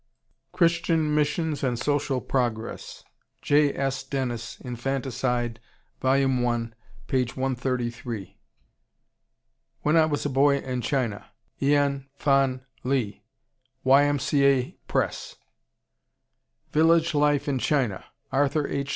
Christian Missions and Social Progress, J. S. Dennis, Infanticide, vol. i, p. 133. When I Was a Boy in China, Ian Phon Lee Y. M. C. A. Press. Village Life in China, Arthur H.